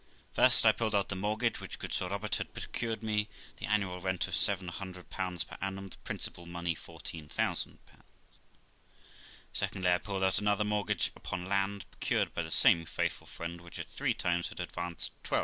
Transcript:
First, I pulled out the mortgage which good Sir Robert had procured for me, the annual rent 700 per annum; the principal money 14,000. Secondly, I pulled out another mortgage upon land, procured by the same faithful friend, which at three times had advanced 12,000.